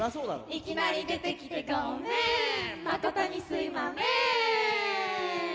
「いきなり出てきてごめんまことにすいまめん」